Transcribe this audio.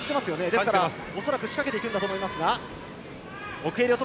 ですから恐らく仕掛けていくんだと思いますが。